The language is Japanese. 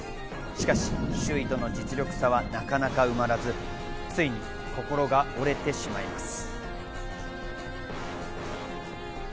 しかし、周囲との実力差はなかなか埋まらず、ついに心が折れてしまいます。